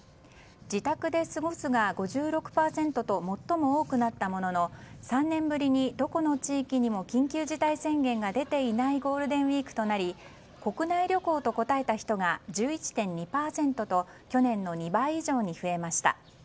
自宅で過ごすが５６％と最も多くなったものの３年ぶりに、どこの地域にも緊急事態宣言が出ていないゴールデンウィークとなり国内旅行と答えた人が１１．２％と去年の２倍以上に増えました。